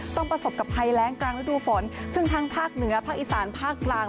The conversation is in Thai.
ประสบกับภัยแรงกลางฤดูฝนซึ่งทั้งภาคเหนือภาคอีสานภาคกลาง